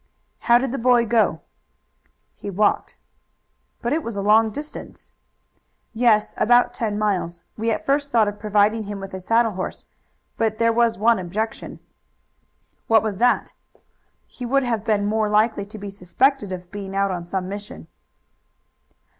"How did the boy go?" "He walked." "But it was a long distance." "Yes, about ten miles. We at first thought of providing him with a saddle horse, but there was one objection." "What was that?" "He would have been more likely to be suspected of being out on some mission."